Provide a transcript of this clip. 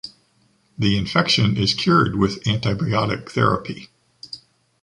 The infection is cured with antibiotic therapy.